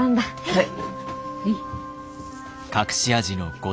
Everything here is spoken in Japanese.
はい。